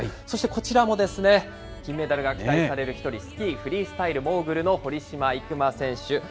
そして、こちらもですね、金メダルが期待される１人、スキーフリースタイルモーグルの堀島行真選手。